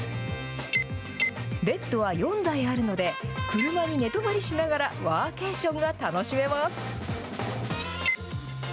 ベッドは４台あるので、車に寝泊まりしながらワーケーションが楽しめます。